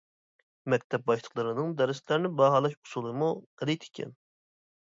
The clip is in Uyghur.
مەكتەپ باشلىقلىرىنىڭ دەرسلەرنى باھالاش ئۇسۇلىمۇ غەلىتە ئىكەن.